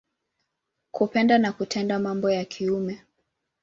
Kupenda na kutenda mambo ya kiume.